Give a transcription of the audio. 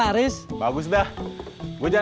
ada pak haji